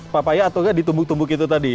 papaya atau nggak ditumbuk tumbuk itu tadi